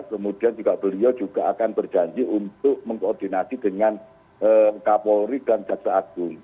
kemudian juga beliau juga akan berjanji untuk mengkoordinasi dengan kapolri dan jaksa agung